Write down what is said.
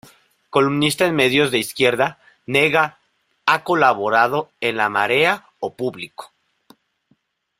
Columnista en medios de izquierda, Nega ha colaborado en "La Marea" o "Público".